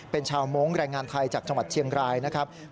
เป็นชาวมงค์แรงงานไทยจากจังหวัดเชียงรายนะครับ